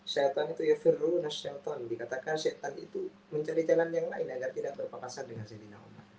syaitan itu yafirun syaitan dikatakan syaitan itu mencari jalan yang lain agar tidak berpapasan dengan